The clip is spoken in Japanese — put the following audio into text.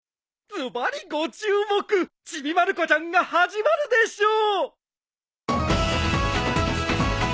ズバリご注目『ちびまる子ちゃん』が始まるでしょう！